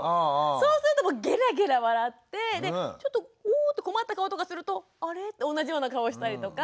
そうするとゲラゲラ笑ってでちょっと困った顔とかするとあれ？って同じような顔したりとか。